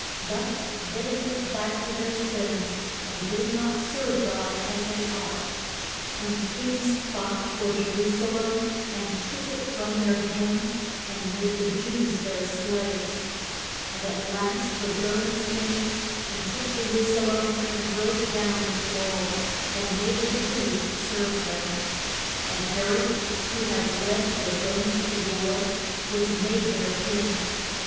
But they went back to their sins, and did not serve God as they ought. And kings fought for Je ru sa lem and took it from their hands and made the Jews their slaves. And at last the Ro mans came and took Je ru sa lem and broke down its walls, and made the Jews serve them. And He rod, who had led the Ro mans to war, was made their king.